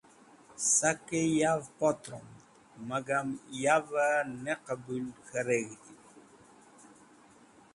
Sakẽ yavẽ potromẽd magam yavẽ ne qẽbũl k̃hẽ reg̃hdiv.